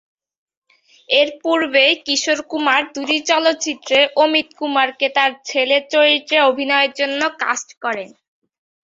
এর পূর্বেই কিশোর কুমার দুটি চলচ্চিত্রে অমিত কুমারকে তার ছেলের চরিত্রে অভিনয়ের জন্য কাস্ট করেন।